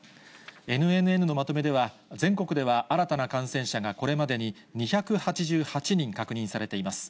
ＮＮＮのまとめでは、全国では新たな感染者がこれまでに２８８人確認されています。